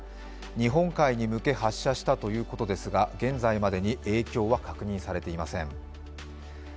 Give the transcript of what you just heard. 日本海に向け、発射したということですが、現在までに影響は確認されていません。